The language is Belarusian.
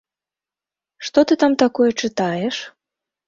Што ты там такое чытаеш?